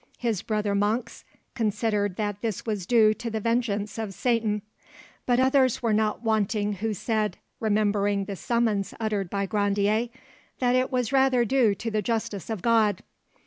His brother monks considered that this was due to the vengeance of Satan; but others were not wanting who said, remembering the summons uttered by Grandier, that it was rather due to the justice of God.